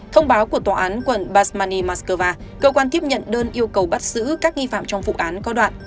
thông báo của tòa án quận basmani moscow cơ quan tiếp nhận đơn yêu cầu bắt giữ các nghi phạm trong vụ án có đoạn